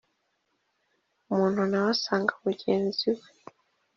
umuntu na we agasanga mugenzi we